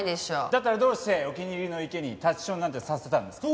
だったらどうしてお気に入りの池に立ちションなんてさせたんですか？